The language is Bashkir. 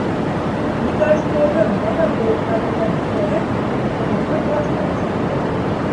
Микроскобын бала кеүек ҡәҙерләп күтәреп, уҡытыусы кластан сыҡты.